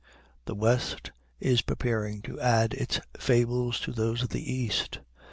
The West is preparing to add its fables to those of the East.